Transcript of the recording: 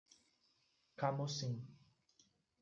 Camocim